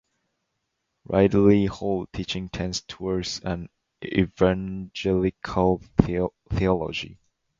Ridley Hall teaching tends towards an evangelical theology.